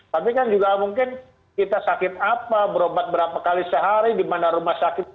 tapi kan juga mungkin kita sakit apa berobat berapa kali sehari di mana rumah sakit